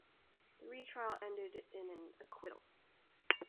The retrial ended in an acquittal.